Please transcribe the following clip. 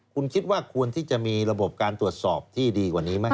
คุณคิดว่าควรที่จะมีระบบการตรวจสอบที่ดีกว่านี้ไหม